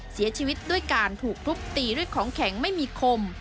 เสียชีวิตด้วยการถูกทุบตีด้วยของแข็งไม่มีคม